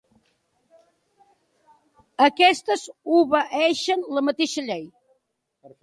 Aquestes obeeixen la mateixa llei.